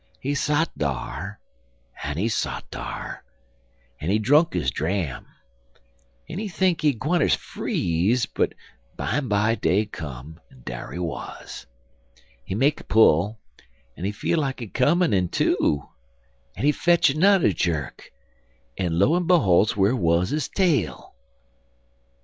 He sot dar, en he sot dar, en he drunk his dram, en he think he gwineter freeze, but bimeby day come, en dar he wuz. He make a pull, en he feel like he comin' in two, en he fetch nudder jerk, en lo en beholes, whar wuz his tail?"